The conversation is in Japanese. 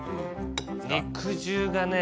肉汁がね